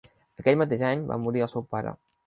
Aquell mateix any va morir el seu pare.